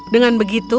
dengan begitu artistic